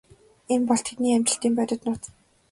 Энэ бол тэдний амжилтын бодит нууц.